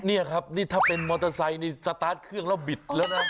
นี่ครับนี่ถ้าเป็นมอเตอร์ไซค์นี่สตาร์ทเครื่องแล้วบิดแล้วนะ